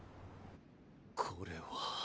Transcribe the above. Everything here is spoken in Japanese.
これは。